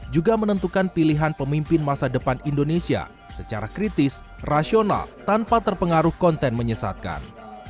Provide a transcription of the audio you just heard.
juga menentukan pilihan pemimpin masa depan indonesia secara kritis rasional tanpa terpengaruh konten menyesatkan